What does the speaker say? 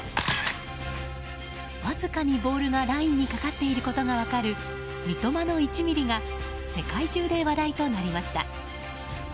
わずかにボールがラインにかかっていることが分かる三笘の１ｍｍが世界中で話題となりました。